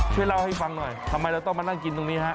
ช่วยเล่าให้ฟังหน่อยทำไมเราต้องมานั่งกินตรงนี้ฮะ